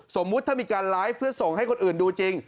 สมมุติถ้ามีการไลฟ์เพื่อส่งให้คนอื่นดูจริง